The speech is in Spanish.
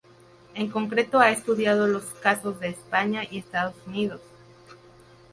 En concreto ha estudiado los casos de España y Estados Unidos.